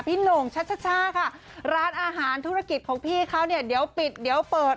โหน่งชัชช่าค่ะร้านอาหารธุรกิจของพี่เขาเนี่ยเดี๋ยวปิดเดี๋ยวเปิด